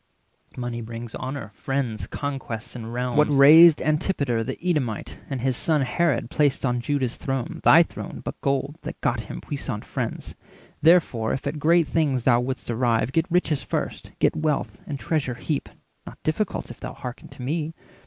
Money brings honour, friends, conquest, and realms. What raised Antipater the Edomite, And his son Herod placed on Juda's throne, Thy throne, but gold, that got him puissant friends? Therefore, if at great things thou wouldst arrive, Get riches first, get wealth, and treasure heap— Not difficult, if thou hearken to me.